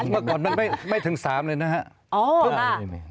เมื่อก่อนมันไม่ถึง๓เลยนะฮะ